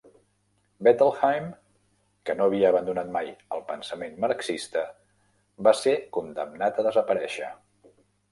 Bettelheim, que no havia abandonat mai el pensament marxista, va ser condemnat a desaparèixer.